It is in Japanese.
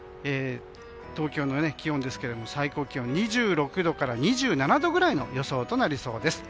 東京の最高気温２６度から２７度くらいの予想となりそうです。